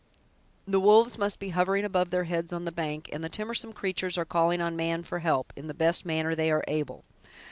The wolves must be hovering above their heads on the bank, and the timorsome creatures are calling on man for help, in the best manner they are able.